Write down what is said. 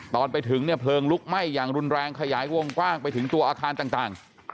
ตอนไปถึงเนี่ยเพลิงลุกไหม้อย่างรุนแรงขยายวงกว้างไปถึงตัวอาคารต่าง